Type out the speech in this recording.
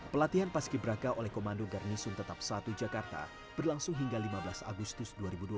pelatihan paski braka oleh komando garnisun tetap satu jakarta berlangsung hingga lima belas agustus dua ribu dua puluh